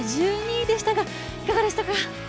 １２位でしたが、いかがでしたか。